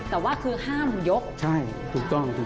แต่ว่าคือห้ามยกใช่ถูกต้อง